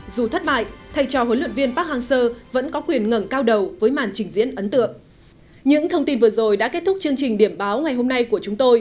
dù thất bại thay cho huấn luyện viên park hang seo vẫn có quyền ngẩn cao đầu với màn trình diễn ấn tượng